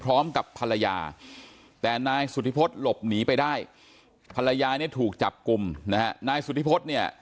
ก็ย้อนคล้อมกับภรรยาแต่นายสุธิพจน์หลบหนีไปได้ภรรยายนี่ถูกจับกุมนายสุธิพจน์เนี่ย